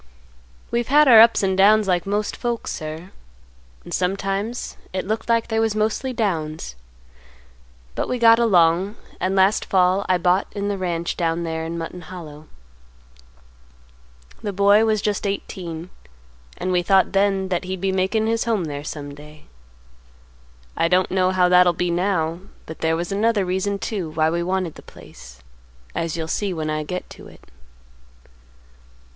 "We've had our ups and downs like most folks, sir, and sometimes it looked like they was mostly downs; but we got along, and last fall I bought in the ranch down there in the Hollow. The boy was just eighteen and we thought then that he'd be makin' his home there some day. I don't know how that'll be now, but there was another reason too why we wanted the place, as you'll see when I get to it.